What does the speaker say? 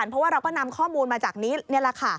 เพราะว่าเราก็นำข้อมูลมาจากนี้นี่แหละค่ะ